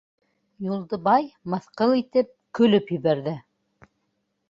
Юлдыбай, мыҫҡыл итеп, көлөп ебәрҙе.